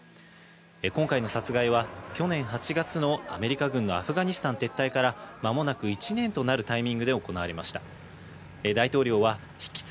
今回の殺害は去年８月のアメリカ軍のアフガニスタン撤退から間もなく１年となるタイミングで行われました。